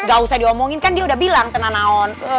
gak usah diomongin kan dia udah bilang tena naon